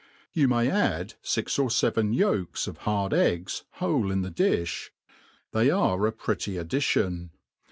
Yoq may add fix or feven yolks of hard eggs whole in the difli \ they are a pretty addition.